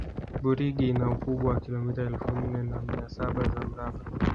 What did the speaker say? burigi ina ukubwa wa kilomita elfu nne na mia saba za mraba